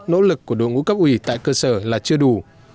nỗ lực của đội ngũ cấp ủy tại cơ sở là chưa đủ